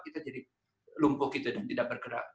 kita jadi lumpuh gitu dan tidak bergerak